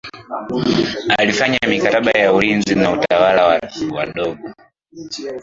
alifanya mikataba ya ulinzi na watawala wadogo